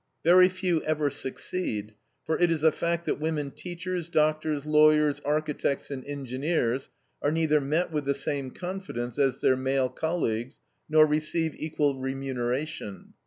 Very few ever succeed, for it is a fact that women teachers, doctors, lawyers, architects, and engineers are neither met with the same confidence as their male colleagues, nor receive equal remuneration.